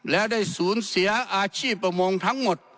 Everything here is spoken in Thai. และได้สูญเสียอาชีพประมงทั้งหมด